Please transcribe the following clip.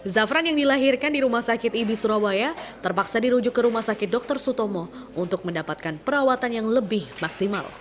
zafran yang dilahirkan di rumah sakit ibi surabaya terpaksa dirujuk ke rumah sakit dr sutomo untuk mendapatkan perawatan yang lebih maksimal